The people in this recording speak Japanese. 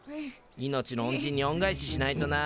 命の恩人に恩返ししないとな。